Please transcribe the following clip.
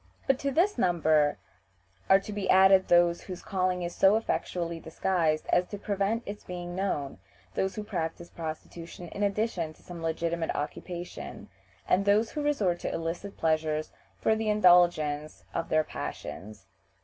But to this number are to be added those whose calling is so effectually disguised as to prevent its being known those who practice prostitution in addition to some legitimate occupation, and those who resort to illicit pleasures for the indulgence of their passions.